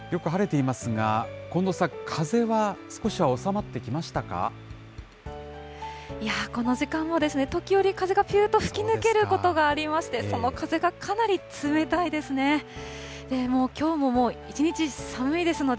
いやー、この時間も時折、風がぴゅーっと吹き抜けることがありまして、その風がかなり冷たいですね。